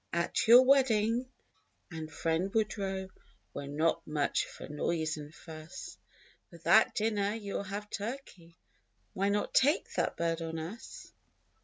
At your wedding. And friend Woodrow, We're not much for noise and fuss; For that dinner you'll have turkey Why not take that bird on us?